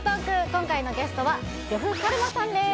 今回のゲストは呂布カルマさんです